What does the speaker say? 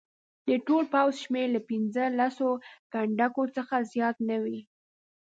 د ټول پوځ شمېر له پنځه لسو کنډکو څخه زیات نه وي.